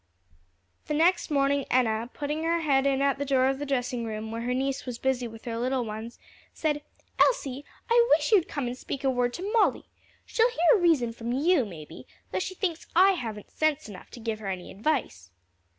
The next morning Enna, putting her head in at the door of the dressing room where her niece was busy with her little ones, said: "Elsie, I wish you'd come and speak a word to Molly. She'll hear reason from you, maybe, though she thinks I haven't sense enough to give her any advice."